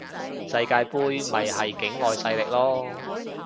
世界盃咪係境外勢力囉